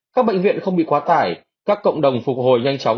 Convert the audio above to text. các bệnh viện không bị quá tải các cộng đồng phục hồi nhanh chóng